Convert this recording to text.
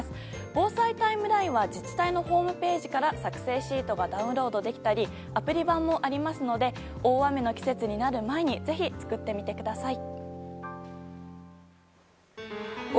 防災タイムラインは自治体のホームページから作成シートがダウンロードできたりアプリ版もありますので大雨の季節になる前にぜひ作ってみてください。